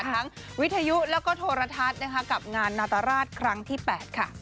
วิทยุแล้วก็โทรทัศน์กับงานนาตราชครั้งที่๘ค่ะ